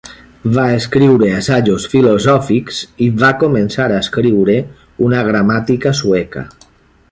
Va escriure assajos filosòfics i va començar a escriure una gramàtica sueca.